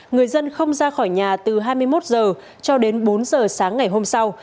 người dân không ra khỏi nhà từ hai mươi một giờ cho đến bốn giờ sáng ngày hôm sau